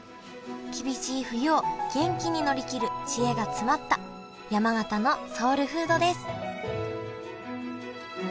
厳しい冬を元気に乗り切る知恵が詰まった山形のソウルフードです